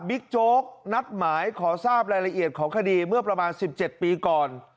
โจ๊กนัดหมายขอทราบรายละเอียดของคดีเมื่อประมาณ๑๗ปีก่อน